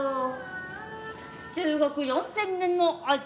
中国４０００年の味